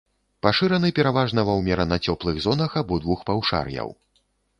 Пашыраны пераважна ва ўмерана цёплых зонах абодвух паўшар'яў.